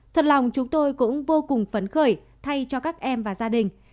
thật lòng chúng tôi cũng vô cùng phấn khởi thay cho các em và gia đình